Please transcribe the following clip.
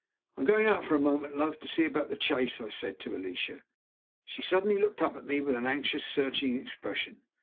"I am going out for a moment, love, to see about the chaise," I said to Alicia. She suddenly looked up at me with an anxious searching expression.